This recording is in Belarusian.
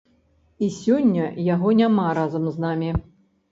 І сёння яго няма разам з намі.